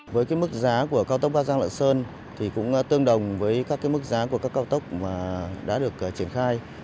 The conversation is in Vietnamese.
với cái mức giá của cao tốc bắc giang lạng sơn thì cũng tương đồng với các cái mức giá của các cao tốc mà đã được triển khai